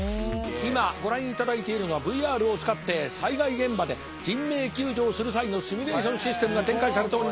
今ご覧いただいているのはＶＲを使って災害現場で人命救助をする際のシミュレーションシステムが展開されております。